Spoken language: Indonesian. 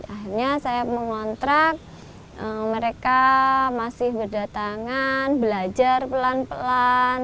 akhirnya saya mengontrak mereka masih berdatangan belajar pelan pelan